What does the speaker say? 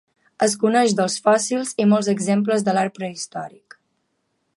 Es coneix dels fòssils i molts exemples de l'art prehistòric.